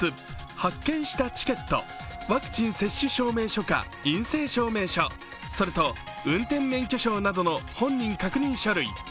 発券したチケットワクチン接種証明書か、陰性証明書それと運転免許証などの本人確認書類。